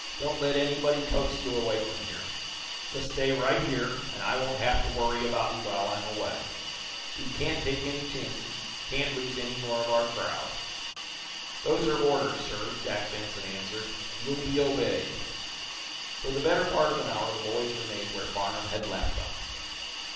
"Don't let anybody coax you away from here. Just stay right here, and I won't have to worry about you while I'm away. We can't take any chances can't lose any more of our crowd." "Those are orders, sir," Jack Benson answered. "You'll be obeyed." For the better part of an hour the boys remained where Farnum had left them.